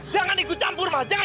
jangan ikut campur ma